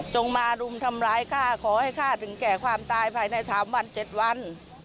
มารุมทำร้ายข้าขอให้ฆ่าถึงแก่ความตายภายใน๓วัน๗วัน